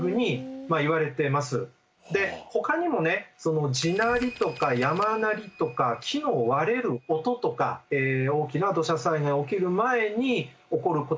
でほかにもね地鳴りとか山鳴りとか木の割れる音とか大きな土砂災害が起きる前に起こることとして報告されています。